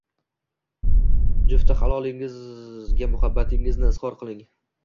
Jufti halolingizga muhabbatingizni izhor qiling.